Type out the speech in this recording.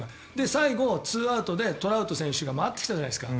最後、２アウトでトラウト選手が回ってきたじゃないですか。